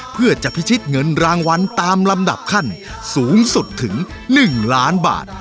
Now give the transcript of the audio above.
เพื่อจะพิชิตเงินรางวัลตามลำดับขั้นสูงสุดถึง๑ล้านบาท